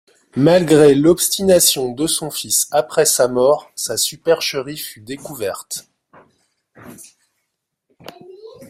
Malgré l'obstination de son fils après sa mort, sa supercherie fut découverte.